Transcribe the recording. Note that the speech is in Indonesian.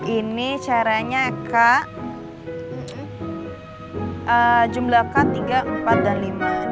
ini caranya kak jumlah k tiga empat dan lima